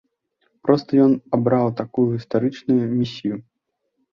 Проста ён абраў такую гістарычную місію.